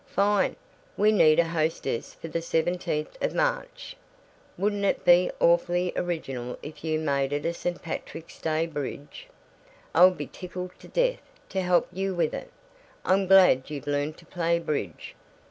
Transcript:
"Fine! We need a hostess for the seventeenth of March. Wouldn't it be awfully original if you made it a St. Patrick's Day bridge! I'll be tickled to death to help you with it. I'm glad you've learned to play bridge.